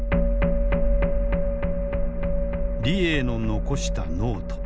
李鋭の残したノート。